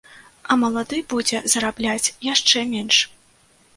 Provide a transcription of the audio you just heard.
А малады будзе зарабляць яшчэ менш.